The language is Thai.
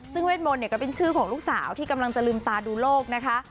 ซึ่งเวทมนต์เนี่ยก็เป็นชื่อของลูกสาวที่กำลังจะลืมตาดูโลกนะคะ